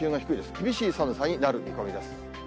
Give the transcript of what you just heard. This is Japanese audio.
厳しい寒さになる見込みです。